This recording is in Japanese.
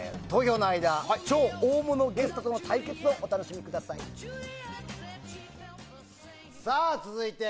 投票の間、超大物ゲストとの対決をお楽しみください。